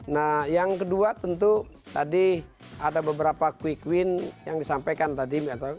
nah yang kedua tentu tadi ada beberapa quick win yang disampaikan tadi